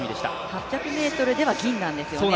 ８００ｍでは銀なんですよね、